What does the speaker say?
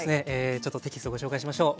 ちょっとテキストご紹介しましょう。